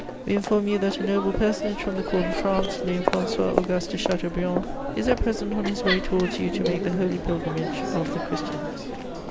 "We inform you that a noble personage from the Court of France, named François Auguste de Chateaubriand, is at present on his way towards you to make the holy pilgrimage (of the Christians)."